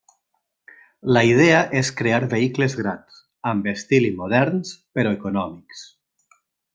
La idea és crear vehicles grans, amb estil i moderns, però econòmics.